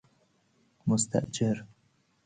مستاجر